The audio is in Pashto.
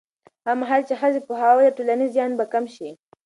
هغه مهال چې ښځې پوهاوی ولري، ټولنیز زیان به کم شي.